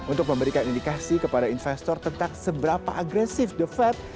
untuk memberikan indikasi kepada investor tentang seberapa agresif the fed